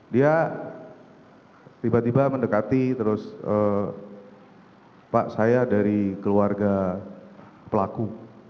dia tiba tiba mendekati terus pak saya dari keluarga pelaku